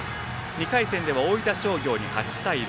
２回戦では大分商業に８対６。